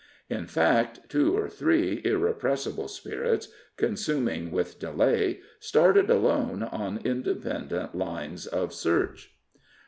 In fact, two or three irrepressible spirits, consuming with delay, started alone on independent lines of search.